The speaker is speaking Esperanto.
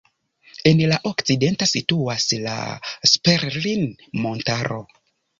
En la okcidento situas la Sperrin-montaro.